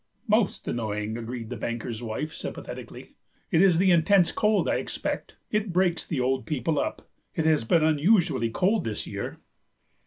"Most annoying," agreed the banker's wife, sympathetically; "it is the intense cold, I expect, it breaks the old people up. It has been unusually cold this year."